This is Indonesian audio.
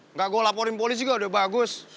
nggak gue laporin polisi juga udah bagus